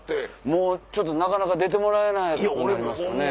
もうちょっとなかなか出てもらえなくなりますかね。